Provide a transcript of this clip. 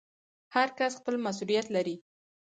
هر کس خپل مسوولیت لري